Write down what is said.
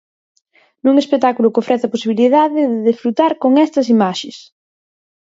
Nun espectáculo que ofrece a posibilidade de desfrutar con estas imaxes.